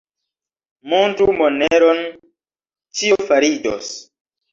Montru moneron, ĉio fariĝos.